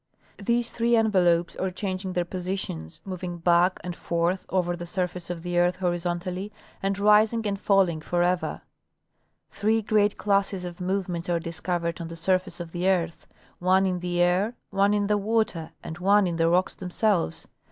These three envelopes are chang ing their positions, moving back and forth over the surface of the earth horizontally, and rising and falling forever; three great classes of movements are discovered on the surface of the earth — one in the air, one in the water, and one in the rocks themselves.